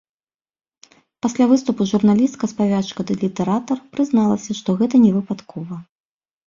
Пасля выступу журналістка, спявачка ды літаратар прызналася, што гэта не выпадкова.